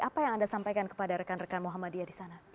apa yang anda sampaikan kepada rekan rekan muhammadiyah di sana